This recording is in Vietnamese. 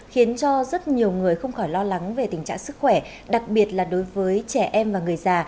khiến cho rất nhiều người không khỏi lo lắng về tình trạng sức khỏe đặc biệt là đối với trẻ em và người già